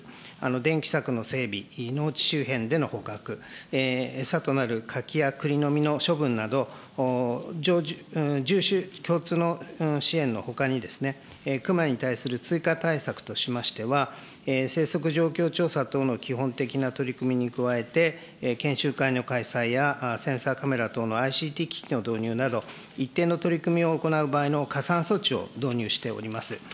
電気柵の整備、農地周辺での捕獲、餌となる柿や栗の実の処分など、共通の支援のほかに、熊に対する追加対策としましては、生息状況調査等の基本的な取り組みに加えて、研修会の開催やセンサーカメラ等のＩＣＴ機器の導入など、一定の取り組みを行う場合の加算措置を導入しております。